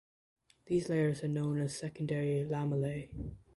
These layers are known as "secondary lamellae".